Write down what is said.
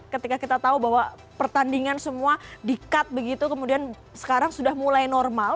ketika kita tahu bahwa pertandingan semua di cut begitu kemudian sekarang sudah mulai normal